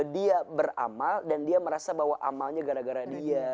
dia beramal dan dia merasa bahwa amalnya gara gara dia